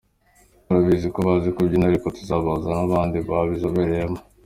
Turabizi ko bazi kubyina ariko tuzabahuza n’abandi babizobereyemo.